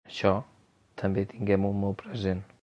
Això, també tinguem-ho molt present.